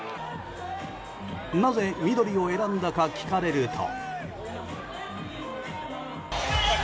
なぜ緑を選んだか聞かれると。